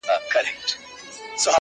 چي ښکلي سترګي ستا وویني.